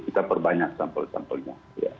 kita perbanyak sampel sampelnya